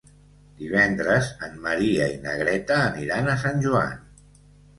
Divendres en Maria i na Greta aniran a Sant Joan.